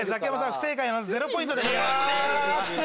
不正解なので０ポイントでございます。